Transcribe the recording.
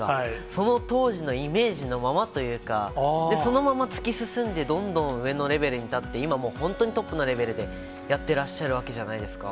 その当時のイメージのままというか、そのまま突き進んで、どんどん上のレベルに立って、今、本当にトップのレベルでやってらっしゃるわけじゃないですか。